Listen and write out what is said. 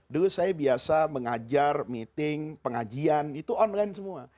dulu saya biasa mengajar meeting pengajian itu online semua